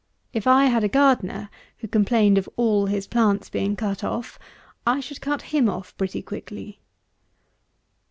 If I had a gardener who complained of all his plants being cut off, I should cut him off pretty quickly.